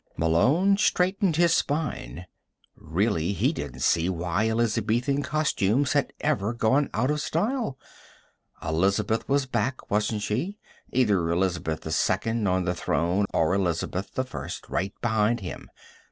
Malone straightened his spine. Really, he didn't see why Elizabethan costumes had ever gone out of style. Elizabeth was back, wasn't she either Elizabeth II, on the throne, or Elizabeth I, right behind him.